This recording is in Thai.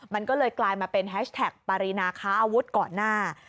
มันก็เลยกลายมาเป็นแฮชแท็กปรินาค้าอาวุธก่อนหน้า